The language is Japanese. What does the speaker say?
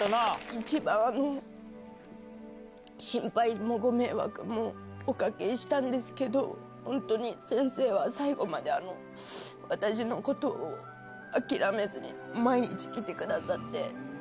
一番心配もご迷惑もおかけしたんですけど、本当に、先生は最後まで私のことを諦めずに、毎日来てくださって。